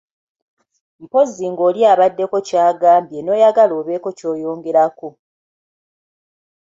Mpozzi ng’oli abaddeko ky’agambye n’oyagala obeeko ky’oyongerezako.